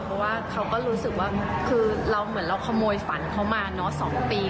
เพราะว่าเขาก็รู้สึกว่าคือเราเหมือนเราขโมยฝันเขามาเนอะ๒ปี